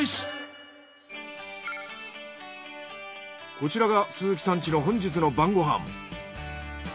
こちらが鈴木さん家の本日の晩ご飯。